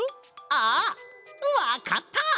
あっわかった！